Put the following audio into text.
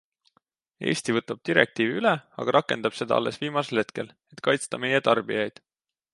Eesti võtab direktiivi üle, aga rakendab seda alles viimasel hetkel, et kaitsta meie tarbijaid.